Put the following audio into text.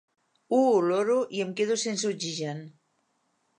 Ho oloro i em quedo sense oxigen.